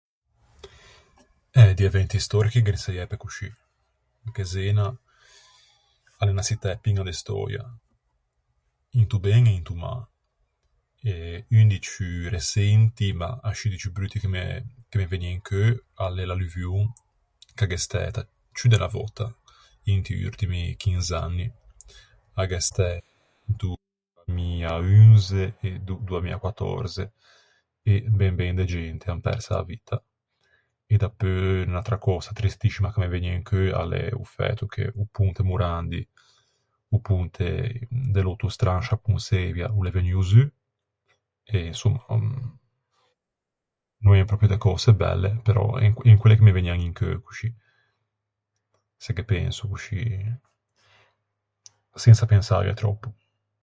Eh, di eventi stòrichi ghe ne saiæ pe coscì, perché Zena a l’é unna çittæ piña de stöia, into ben e into mâ, e un di ciù reçenti, ma ascì di ciù brutti che che me vëgne in cheu a l’é l’alluvion ch’a gh’é stæta ciù de unna vòtta inti urtimi chinz’anni. A gh’é stæta do doamiaunze e do doamiaquattòrze, e ben ben de gente an perso a vitta. E dapeu, unn’altra cösa tristiscima ch’a me vëgne in cheu a l’é o fæto che o ponte Morandi, o ponte de l’autostrâ in sciâ Ponçeivia, o l’é vegnuo zu, e insomma, no no en pròpio de cöse belle però en en quelle che me vëgnan in cheu coscì, se ghe penso coscì, sensa pensâghe tròppo.